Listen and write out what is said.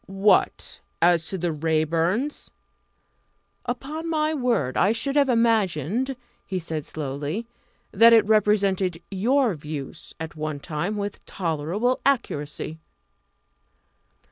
"What! as to the Raeburns? Upon my word, I should have imagined," he said slowly, "that it represented your views at one time with tolerable accuracy."